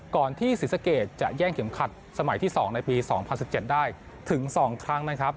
ก่อนที่ศรีสะเกดจะแย่งเข็มขัดสมัยที่สองในปีสองพันสิบเจ็ดได้ถึงสองครั้งนะครับ